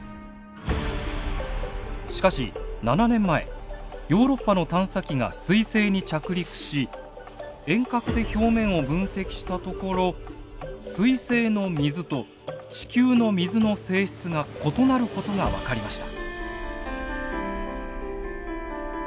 しかし７年前ヨーロッパの探査機が彗星に着陸し遠隔で表面を分析したところ彗星の水と地球の水の性質が異なることが分かりました。